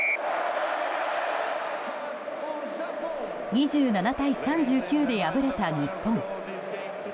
２７対３９で敗れた日本。